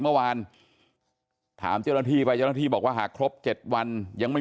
เมื่อวานถามเจ้ารภีร์ใบจะที่บอกว่าหากครบ๗วันยังไม่